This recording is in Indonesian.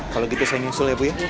kalau gitu saya nyusul ya bu ya